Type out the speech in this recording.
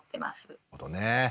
なるほどね。